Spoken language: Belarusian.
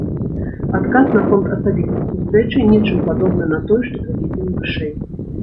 Адказ наконт асабістай сустрэчы нечым падобны на той, што прыведзены вышэй.